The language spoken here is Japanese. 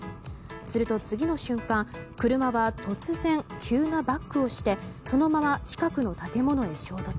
すると、次の瞬間車は突然、急なバックをしてそのまま近くの建物へ衝突。